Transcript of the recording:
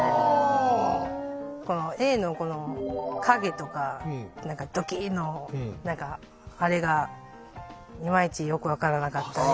Ａのこの影とか「どきいっ」の何かあれがいまいちよく分からなかったり。